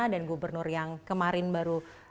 dan gubernur yang kemarin baru